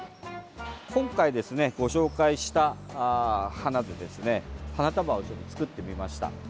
今回ですね、ご紹介した花で花束をちょっと作ってみました。